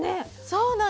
そうなんです。